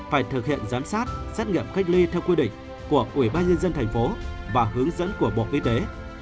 phải thực hiện giám sát xét nghiệm cách ly theo quy định của ubnd tp và hướng dẫn của bộ y tế